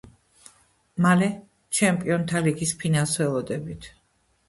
მალე ჩემპიონთა ლიგის ფინალს ველოდებით